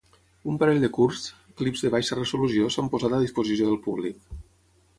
Un parell de curts, clips de baixa resolució s'han posat a disposició del públic.